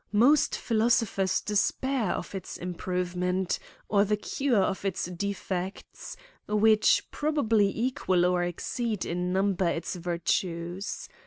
Most philosophers despair of its improvement, or the cure of its defects, which probably equal or exceed in number its virtues.